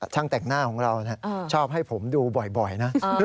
แต่งหน้าของเราชอบให้ผมดูบ่อยนะ